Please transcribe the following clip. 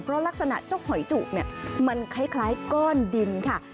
เพราะลักษณะเจ้าหอยจุกเนี่ยมันคล้ายก้อนดินค่ะ